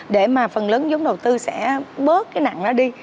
để mà phần lớn giống đầu tư sẽ bớt cái nặng đó đi